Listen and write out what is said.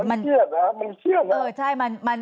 มันเชี่ยวนะครับ